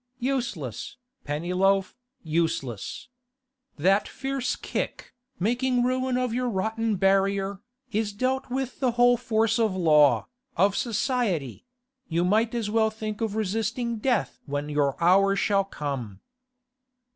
Useless, Pennyloaf, useless. That fierce kick, making ruin of your rotten barrier, is dealt with the whole force of Law, of Society; you might as well think of resisting death when your hour shall come.